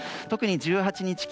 特に１８日